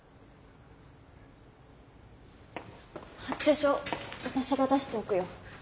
発注書私が出しておくよ。